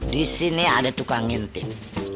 disini ada tukang ngintip